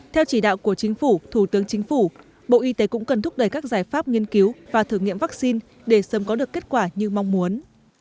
theo chỉ đạo của chính phủ thủ tướng chính phủ bộ y tế cũng cần thúc đẩy các giải pháp nghiên cứu và thử nghiệm vaccine để sớm có được kết quả như mong muốn